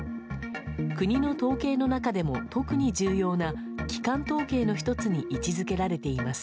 国の統計の中でも特に重要な基幹統計の１つに位置付けられています。